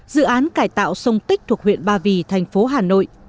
dự án cải tạo sông tích thuộc huyện ba vì thành phố hà nội